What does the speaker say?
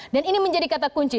dan ini menjadi kata kunci